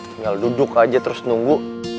tinggal duduk aja terus nunggu